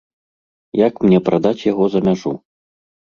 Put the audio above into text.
Як мне прадаць яго за мяжу?